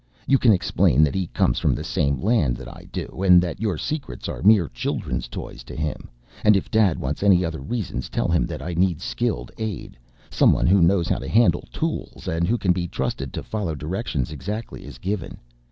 You can explain that he comes from the same land that I do, and that your secrets are mere children's toys to him. And if dad wants any other reasons tell him that I need skilled aid, someone who knows how to handle tools and who can be trusted to follow directions exactly as given.